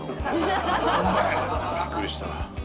びっくりした。